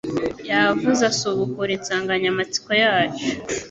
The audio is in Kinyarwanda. Yavuze asubukura insanganyamatsiko yacu